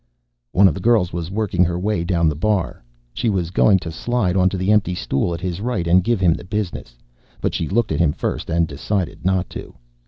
One of the girls was working her way down the bar. She was going to slide onto the empty stool at his right and give him the business, but she looked at him first and decided not to.